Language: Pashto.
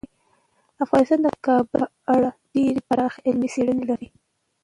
افغانستان د کابل په اړه ډیرې پراخې علمي څېړنې لري.